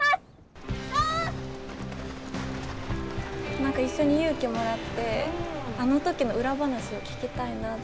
何か一緒に勇気をもらってあの時の裏話を聞きたいなと。